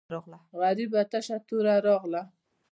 غریبه تشه توره راغله.